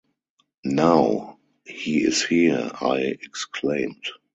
‘Now he is here,’ I exclaimed.